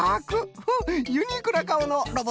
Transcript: フフユニークなかおのロボットじゃな。